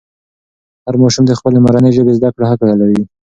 هر ماشوم د خپلې مورنۍ ژبې زده کړه حق لري.